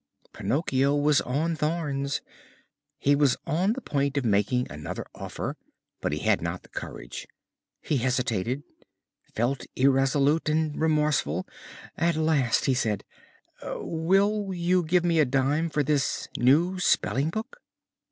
Pinocchio was on thorns. He was on the point of making another offer, but he had not the courage. He hesitated, felt irresolute and remorseful. At last he said: "Will you give me a dime for this new spelling book?"